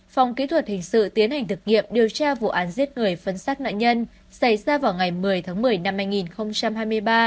phòng kỹ thuật hình sự tiến hành thực nghiệm điều tra vụ án giết người phấn xác nạn nhân xảy ra vào ngày một mươi tháng một mươi năm hai nghìn hai mươi ba